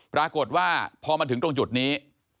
ปรากฏว่าพอมาถึงตรงจุดนี้